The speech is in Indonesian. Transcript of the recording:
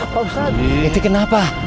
pak ustadz itu kenapa